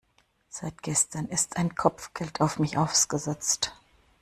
Seit gestern ist ein Kopfgeld auf mich ausgesetzt.